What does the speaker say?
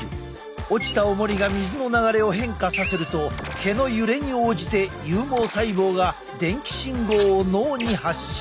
落ちたおもりが水の流れを変化させると毛の揺れに応じて有毛細胞が電気信号を脳に発信。